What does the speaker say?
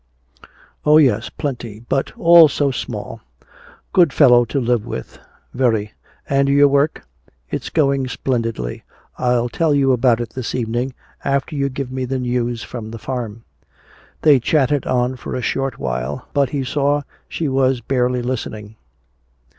"Oh, yes, plenty but all so small." "Good fellow to live with." "Very." "And your work? "It's going splendidly. I'll tell you about it this evening, after you give me the news from the farm." They chatted on for a short while, but he saw she was barely listening.